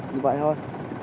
vì vậy thôi